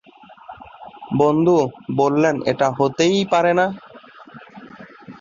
বন্ধু বললেন এটা হতেই পারেনা।